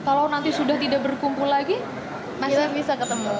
kalau nanti sudah tidak berkumpul lagi masih bisa ketemu